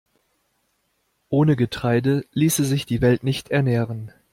Ohne Getreide ließe sich die Welt nicht ernähren.